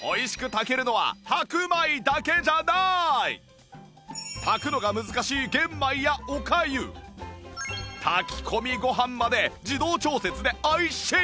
しかも炊くのが難しい玄米やおかゆ炊き込みご飯まで自動調節で美味しい！